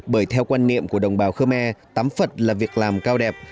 bởi theo quan niệm của đồng bào khơ me tắm phật là việc làm cao đẹp